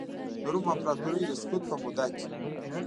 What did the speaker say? د روم امپراتورۍ د سقوط په موده کې.